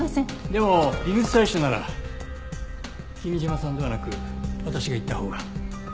でも微物採取なら君嶋さんではなく私が行ったほうが。